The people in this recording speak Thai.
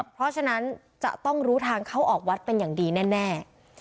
เพราะฉะนั้นจะต้องรู้ทางเข้าออกวัดเป็นอย่างดีแน่